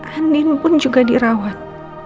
andien pun juga dirawat